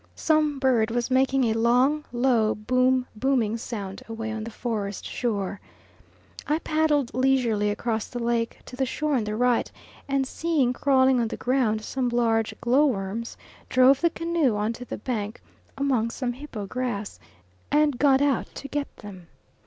Some bird was making a long, low boom booming sound away on the forest shore. I paddled leisurely across the lake to the shore on the right, and seeing crawling on the ground some large glow worms, drove the canoe on to the bank among some hippo grass, and got out to get them.